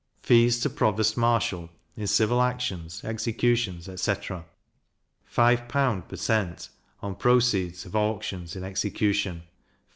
Fees to provost marshal, in civil actions, executions, etc.: 5l. per cent. on proceeds of auctions in execution; 5l.